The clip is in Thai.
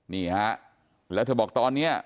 นี่ฮะแล้วเธอบอกตอนนี้